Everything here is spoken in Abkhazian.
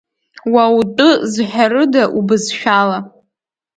Уа утәы зҳәарыда убызшәала?